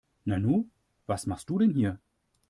Nanu, was machst du denn hier?